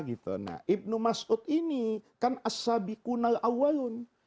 ibnu mas'ud ini kan as sabiqunal awalun